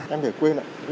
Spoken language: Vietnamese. em thể quên ạ